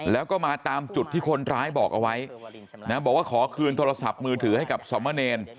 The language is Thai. แล้วก็มาตามจุดที่คนร้ายบอกเอาไว้นะบอกว่าขอคืนโทรศัพท์มือถือให้กับสมเนร